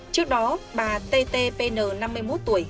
trước đó bà t t p n năm mươi một tuổi